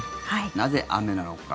なぜ雨なのか。